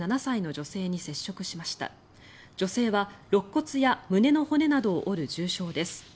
女性はろっ骨や胸の骨などを折る重傷です。